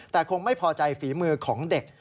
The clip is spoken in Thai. แต่คงไม่พอใจฝีมือของเด็ก